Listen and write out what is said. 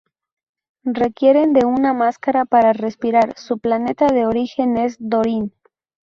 Requieren de una máscara para respirar, su planeta de origen es Dorin.